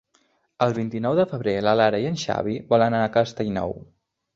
El vint-i-nou de febrer na Lara i en Xavi volen anar a Castellnou.